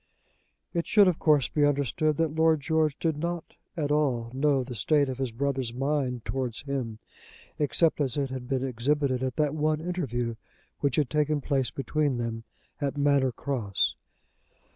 It should, of course, be understood that Lord George did not at all know the state of his brother's mind towards him, except as it had been exhibited at that one interview which had taken place between them at Manor Cross.